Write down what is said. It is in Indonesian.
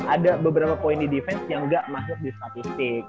ada beberapa poin di defense yang nggak masuk di statistik